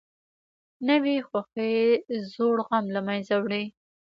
نوې خوښي زوړ غم له منځه وړي